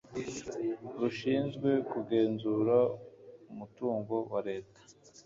rushinzwe kugenzura umutungo wareta